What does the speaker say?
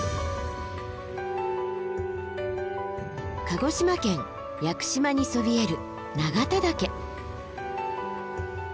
鹿児島県屋久島にそびえる永田岳。